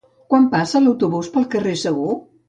Quan passa l'autobús pel carrer Segur?